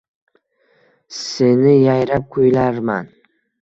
Seni yayrab kuylarman